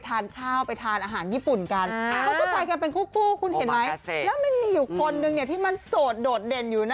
ทานข้าวไปทานอาหารญี่ปุ่นกันอะไปกันเป็นคู่คุณอย่างมีคนเดิมติมั่นโสดโดดเด่นอยู่นะ